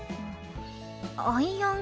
アイアン